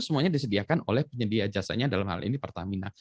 semuanya disediakan oleh penyedia jasanya dalam hal ini pertamina